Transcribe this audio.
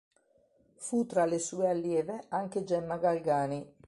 Fu tra le sue allieve anche Gemma Galgani.